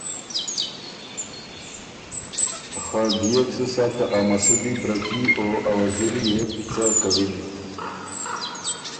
خه دئېک سُو سۀ که ا مسُودی برکي او ا وزیري يې بو څۀ کَوِن؟